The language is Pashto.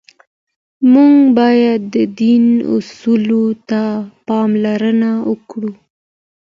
موږ باید د دین اصولو ته پاملرنه وکړو.